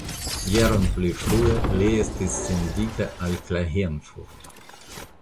Jaron pli frue li estis sendita al Klagenfurt.